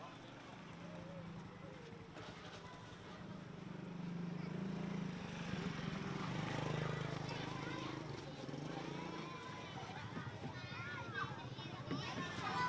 ucapan duka kita berita kehilangan yang pertama komunikatif